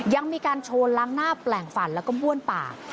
ยังมีการโชว์ล้างหน้าแปลงฟันแล้วก็บ้วนปาก